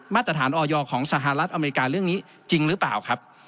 มาตรฐานออยของสหรัฐอเมริกาเรื่องนี้จริงหรือเปล่าครับ